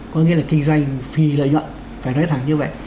có nghĩa là kinh doanh phi lợi nhuận phải nói thẳng như vậy